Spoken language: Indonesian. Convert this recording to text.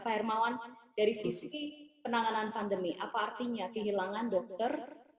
pak hermawan dari sisi penanganan pandemi apa artinya kehilangan dokter